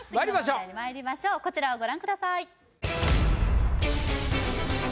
まいりましょうこちらをご覧ください